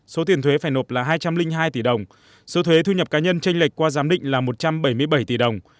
số tiền thuế phải nộp là hai trăm linh hai tỷ đồng số thuế thu nhập cá nhân tranh lệch qua giám định là một trăm bảy mươi bảy tỷ đồng